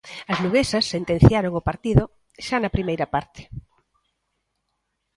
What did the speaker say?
As luguesas sentenciaron o partido xa na primeira parte.